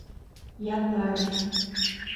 — Япаров.